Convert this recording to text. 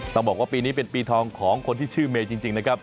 ต้องบอกว่าปีนี้เป็นปีทองของคนที่ชื่อเมย์จริงนะครับ